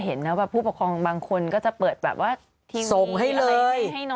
เห็นแล้วพ่อผู้ปงบางคนก็จะเปิดแบบว่าที่ส่งให้เลย